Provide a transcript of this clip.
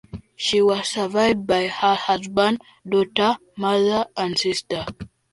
She was survived by her husband, daughter, mother, and sister.